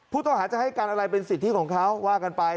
ผู้ต้องหาจะให้การอะไรเป็นสิทธิของเขาว่ากันไป